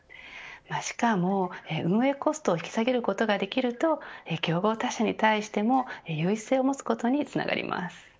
しかも、運営コストを引き下げることができると競合他社に対しても優位性を持つことにつながります。